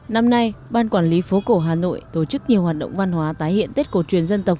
năm nay ban quản lý phố cổ hà nội tổ chức nhiều hoạt động văn hóa tái hiện tết cổ truyền dân tộc